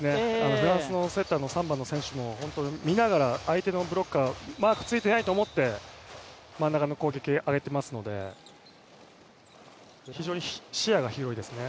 フランスのセッターの３番の選手も本当に見ながら相手のブロッカーマークついてないと思って真ん中の攻撃、上げてますので非常に視野が広いですね。